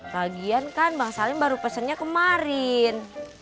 lagian kan bang salim baru pesennya kemarin